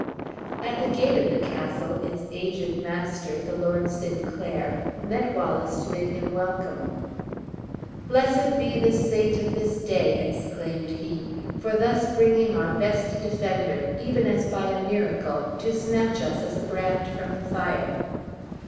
At the gate of the castle its aged master, the Lord Sinclair, met Wallace, to bid him welcome. "Blessed be the saint of this day," exclaimed he, "for thus bringing our best defender, even as by a miracle, to snatch us as a brand from the fire!